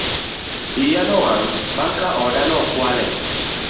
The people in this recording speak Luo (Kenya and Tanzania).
Iya nowang' bang' ka oda nokwale